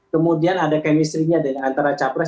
kemudian ada kemistrinya antara capres